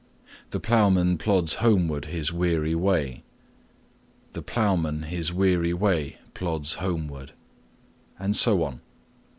The ploughman plods homeward his weary way. The ploughman his weary way plods homeward. and so on.